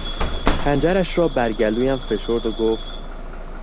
خنجرش را بر گلویم فشرد و گفت...